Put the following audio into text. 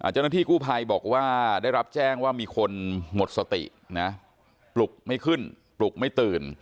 จนที่กู้ภัยได้รับแจ้งว่ามีคนหมดสติปลุกไม่ขึ้นปลุกไม่ตื่น